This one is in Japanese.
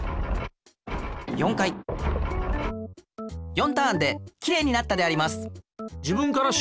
４ターンできれいになったであります！